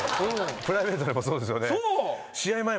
プライベートでもそうですよね。